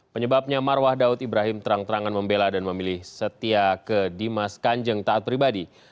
penyebabnya marwah daud ibrahim terang terangan membela dan memilih setia ke dimas kanjeng taat pribadi